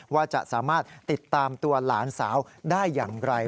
ว่าจะสามารถติดตามตัวหลานสาวได้อย่างไร